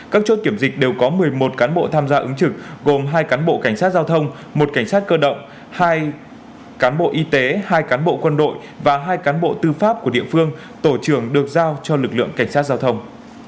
các chốt kiểm dịch đều có một mươi một cán bộ tham gia ứng trực gồm hai cán bộ cảnh sát giao thông một cảnh sát cơ động hai cán bộ y tế hai cán bộ quân đội và hai cán bộ tư pháp của địa phương tổ trưởng được giao cho lực lượng cảnh sát giao thông